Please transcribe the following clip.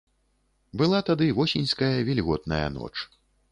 Была тады восеньская вільготная ноч.